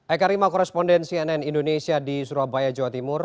eka rima koresponden cnn indonesia di surabaya jawa timur